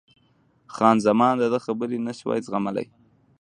خان زمان د ده خبرې نه شوای زغملای.